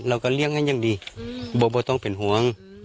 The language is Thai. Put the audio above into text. เราก็เลี้ยงให้อย่างดีบอกว่าต้องเป็นห่วง